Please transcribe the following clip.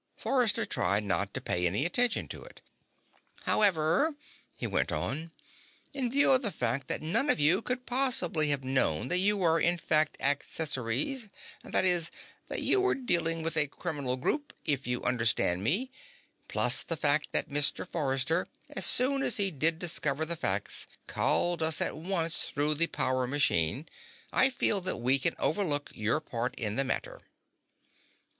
Forrester tried not to pay any attention to it. "However," he went on, "in view of the fact that none of you could possibly have known that you were, in fact, accessories that is, that you were dealing with a criminal group, if you understand me plus the fact that Mr. Forrester, as soon as he did discover the facts, called us at once through the power machine I feel that we can overlook your part in the matter."